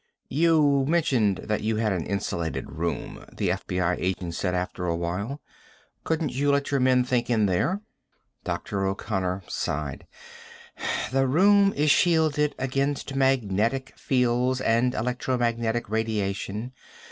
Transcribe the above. "You mentioned that you had an insulated room," the FBI agent said after a while. "Couldn't you let your men think in there?" Dr. O'Connor sighed. "The room is shielded against magnetic fields and electromagnetic radiation.